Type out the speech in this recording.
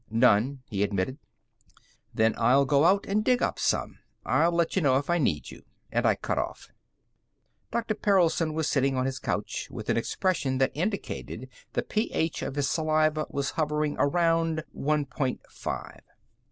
"None," he admitted. "Then I'll go out and dig up some. I'll let you know if I need you." And I cut off. Dr. Perelson was sitting on his couch, with an expression that indicated that the pH of his saliva was hovering around one point five.